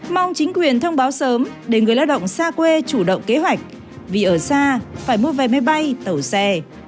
mong chính quyền thông báo sớm để người lao động xa quê chủ động kế hoạch vì ở xa phải mua vé máy bay tàu xe